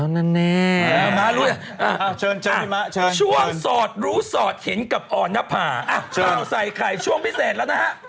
อ๋อนั่นแน่มาแล้วมาลุ้ยชวนสอดรู้สอดเห็นกับอ่อนภาอ้าวใส่ไข่ช่วงพิเศษแล้วนะฮะ